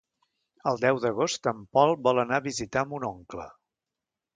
El deu d'agost en Pol vol anar a visitar mon oncle.